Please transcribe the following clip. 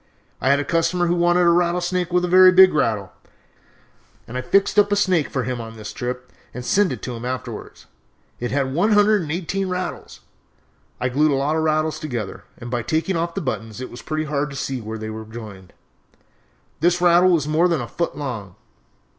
I had a customer who wanted a rattlesnake with a very big rattle, and I fixed up a snake for him on this trip and sent it to him afterwards. It had one hundred and eighteen rattles! I glued a lot of rattles together, and by taking off the buttons it was pretty hard to see where they were joined. This rattle was more than a foot long.